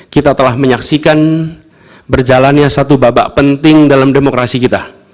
kita telah menyaksikan berjalannya satu babak penting dalam demokrasi kita